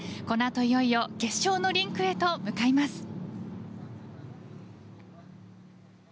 このあと、いよいよ決勝のリンクへと向かいます。